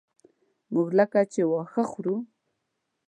موږ لکه چې واښه خورو.